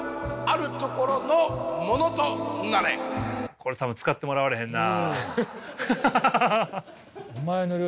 これ多分使ってもらわれへんな。